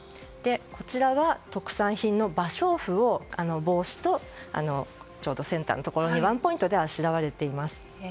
こちらは特産品の芭蕉布を帽子とちょうど先端のところにワンポイントであしらわれています。